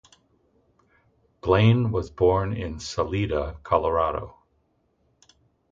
Blane was born in Salida, Colorado.